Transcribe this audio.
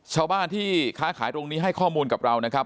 ชาวบ้านที่ค้าขายตรงนี้ให้ข้อมูลกับเรานะครับ